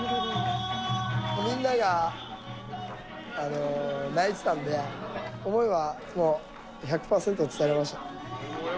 みんなが泣いてたんで、思いはもう、１００％伝えられました。